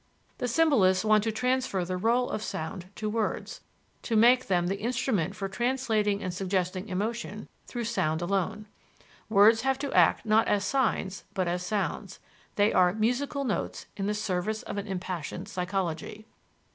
The symbolists want to transfer the rôle of sound to words, to make of them the instrument for translating and suggesting emotion through sound alone: words have to act not as signs but as sounds: they are "musical notes in the service of an impassioned psychology."